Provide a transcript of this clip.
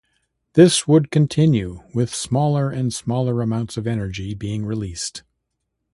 This would continue, with smaller and smaller amounts of energy being released.